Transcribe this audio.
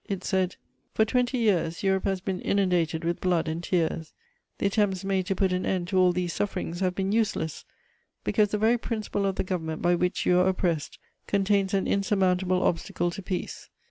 It said: "For twenty years Europe has been inundated with blood and tears: the attempts made to put an end to all these sufferings have been useless, because the very principle of the government by which you are oppressed contains an insurmountable obstacle to peace.